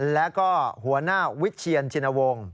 และก็หัวหน้าวิชเชียนจินวง